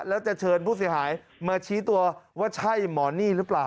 แล้วจะเชิญผู้เสียหายมาชี้ตัวว่าใช่หมอนี่หรือเปล่า